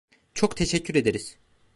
Çok teşekkür ederiz.